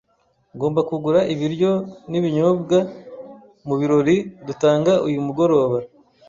Ngomba kugura ibiryo n'ibinyobwa mubirori dutanga uyu mugoroba.